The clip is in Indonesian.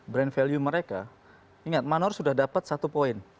brand value mereka ingat manor sudah dapat satu poin